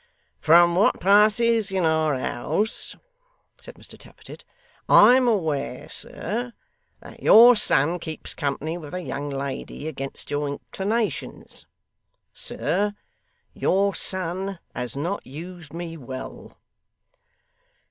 'From what passes in our house,' said Mr Tappertit, 'I am aware, sir, that your son keeps company with a young lady against your inclinations. Sir, your son has not used me well.